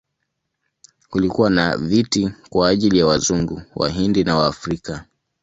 Kulikuwa na viti kwa ajili ya Wazungu, Wahindi na Waafrika.